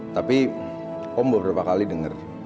tapi om beberapa kali dengar